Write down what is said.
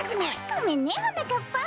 ごめんねはなかっぱん。